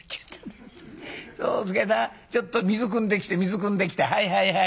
ちょっと水くんできて水くんできてはいはいはい。